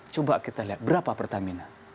coba kita lihat berapa pertamina